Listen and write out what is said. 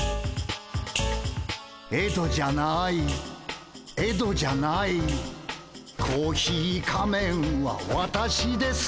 「エドじゃないエドじゃない」「コーヒー仮面は私です」